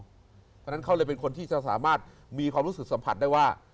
เพราะฉะนั้นเขาเลยเป็นคนที่จะสามารถมีความรู้สึกสัมผัสได้ว่า